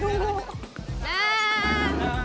beberapa posisi pengadilan